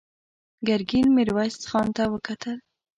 ګرګين ميرويس خان ته وکتل.